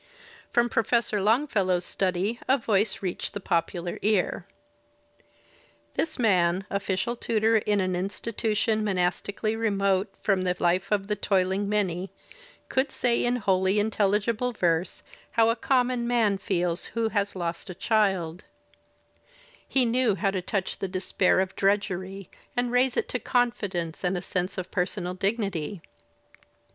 From Professor Long fellow's study a voice reached the popular ear. This man, official tutor in an institution monastically remote from the life of the toiling many, could say in wholly intelligible verse how a common man feels who has lost a child; he Digitized by Google 100 THE SPIRIT OF AMERICAN LITERATURE knew how to touch the despair of drudgery and raise it to confidence and a sense of personal dignity.